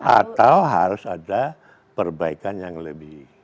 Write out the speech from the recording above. atau harus ada perbaikan yang lebih